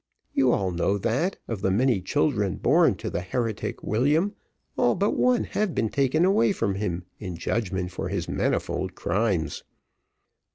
You all know that, of the many children born to the heretic William, all but one have been taken away from him in judgment for his manifold crimes.